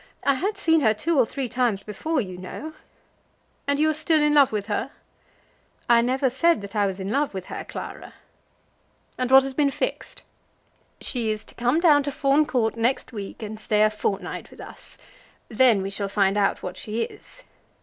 I had seen her two or three times before, you know." "And you are still in love with her?" "I never said that I was in love with her, Clara." "And what has been fixed?" "She is to come down to Fawn Court next week, and stay a fortnight with us. Then we shall find out what she is."